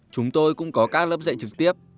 chúng tôi cũng có các lớp dạy trực tiếp